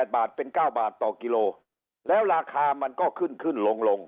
บาทเป็น๙บาทต่อกิโลแล้วราคามันก็ขึ้นขึ้นลง